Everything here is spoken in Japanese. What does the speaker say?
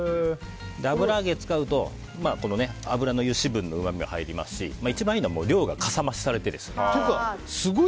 油揚げを使うと油の油脂分とうまみ入りますし、一番いいのは量がかさ増しされます。